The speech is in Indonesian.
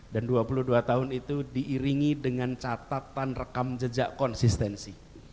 dan dua puluh dua tahun itu diiringi dengan catatan rekam jejak konsistensi